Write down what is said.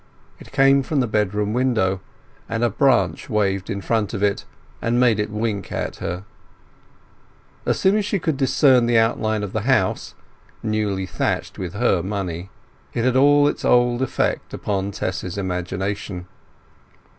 It came from the bedroom window, and a branch waved in front of it and made it wink at her. As soon as she could discern the outline of the house—newly thatched with her money—it had all its old effect upon Tess's imagination.